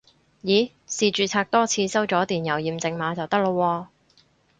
咦試註冊多次收咗電郵驗證碼就得喇喎